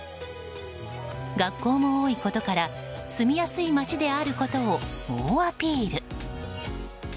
学校も多いことから住みやすい街であることを猛アピール。